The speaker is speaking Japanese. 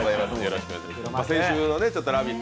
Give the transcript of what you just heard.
先週「ラヴィット！」